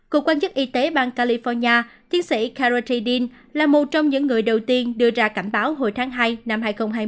cục quan chức y tế bang california tiến sĩ carochidin là một trong những người đầu tiên đưa ra cảnh báo hồi tháng hai năm hai nghìn hai mươi